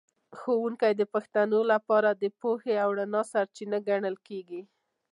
ښوونکی د پښتنو لپاره د پوهې او رڼا سرچینه ګڼل کېږي.